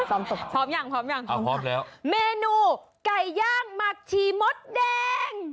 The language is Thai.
พร้อมยังพร้อมยังเอาพร้อมแล้วเมนูไก่ย่างหมักชีมดแดง